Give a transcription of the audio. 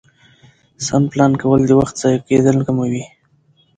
سم پلان کول د وخت ضایع کېدل کموي